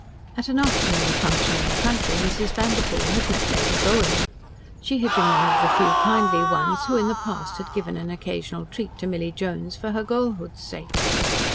At an afternoon function in the country Mrs. Vanderpoel had met Lady Bowen. She had been one of the few kindly ones, who in the past had given an occasional treat to Milly Jones for her girlhood's sake.